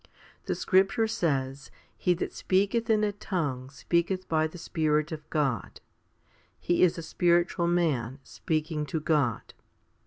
The scripture says, He that speaketh in a tongue speaketh by the Spirit of God. He is a spiritual man, speaking to God.